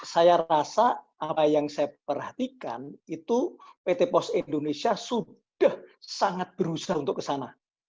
saya rasa apa yang saya perhatikan itu pt pos indonesia sudah sangat berusaha untuk kesana